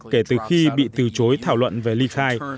kể từ khi bị từ chối thảo luận về ly khai